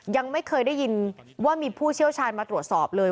ยังไม่เคยได้ยินว่ามีผู้เชี่ยวชาญมาตรวจสอบเลย